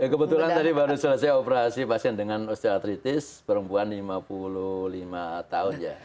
kebetulan tadi baru selesai operasi pasien dengan osteoartritis perempuan lima puluh lima tahun ya